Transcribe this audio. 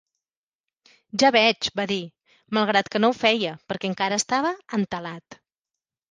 "Ja veig" -vaig dir, malgrat que no ho feia, perquè encara estava entelat.